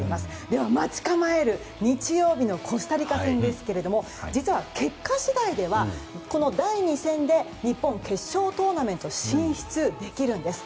待ち構える日曜日のコスタリカ戦ですが実は結果次第ではこの第２戦で日本は決勝トーナメント進出できるんです。